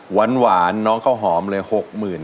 หวานหวานน้องข้าวหอมเลย